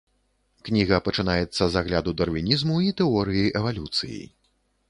Кніга пачынаецца з агляду дарвінізму і тэорыі эвалюцыі.